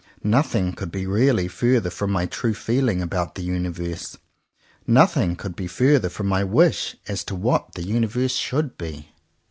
Nothing could be really further from my true feeling about the universe. Nothing could be further from my wish as to what the universe should be.